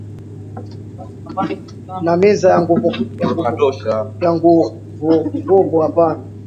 Ma miza yanguvunguvu apana